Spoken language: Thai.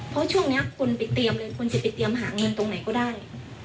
เพราะช่วงนี้คนไปเตรียมเลยคนจะไปเตรียมหาเงินตรงไหนก็ได้